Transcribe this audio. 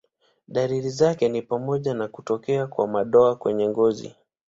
Dalili zake ni pamoja na kutokea kwa madoa kwenye ngozi.